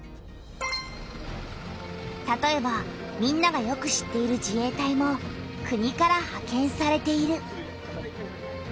たとえばみんながよく知っている自衛隊も国からはけんされている。